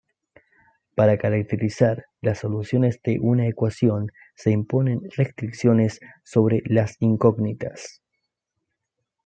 Para caracterizar las soluciones de una ecuación se imponen restricciones sobre las incógnitas.